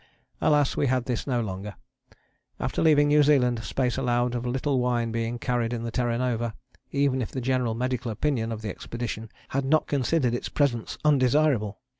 Alas, we had this no longer: after leaving New Zealand space allowed of little wine being carried in the Terra Nova, even if the general medical opinion of the expedition had not considered its presence undesirable.